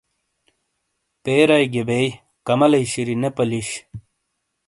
پیرائے گیئے بئیی، کَمالئی شِیری نے پَلِیش۔